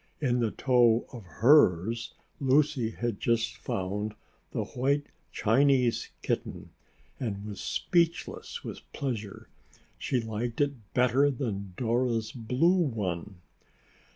In the toe of hers, Lucy had just found the white Chinese kitten and was speechless with pleasure. She liked it better than Dora's blue one.